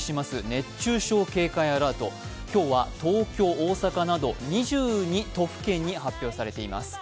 熱中症警戒アラート、今日は東京、大阪など２２都府県に発表されています。